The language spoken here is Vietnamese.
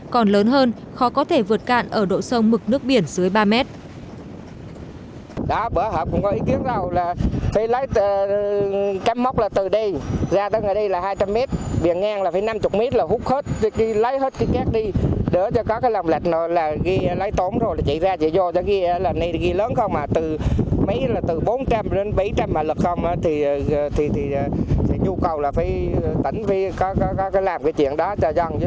còn lớn hơn khó có thể vượt cạn ở độ sông mực nước biển dưới ba mét